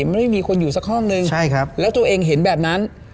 ไม่มีคนอยู่สักห้องนึงใช่ครับแล้วตัวเองเห็นแบบนั้น